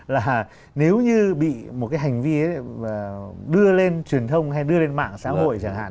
là nếu như bị một cái hành vi đưa lên truyền thông hay đưa lên mạng xã hội chẳng hạn